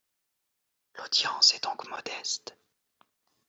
L’audience est donc modeste.